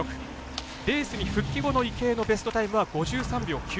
レースに復帰後の池江のタイムは５３秒９８。